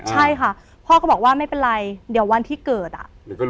ใช่ค่ะพ่อก็บอกว่าไม่เป็นไรเดี๋ยววันที่เกิดอ่ะ